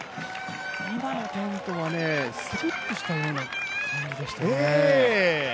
今の転倒はスリップしたような転倒でしたね。